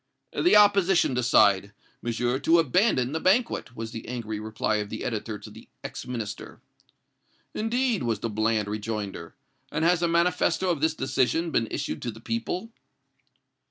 "The opposition decide, Monsieur, to abandon the banquet," was the angry reply of the editor to the ex Minister. "Indeed!" was the bland rejoinder; "and has a manifesto of this decision been issued to the people?"